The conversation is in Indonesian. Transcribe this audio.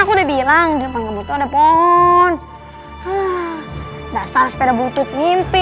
gila ini udah malem